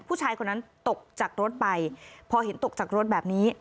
ผู้ชายคนนั้นตกจากรถไปพอเห็นตกจากรถแบบนี้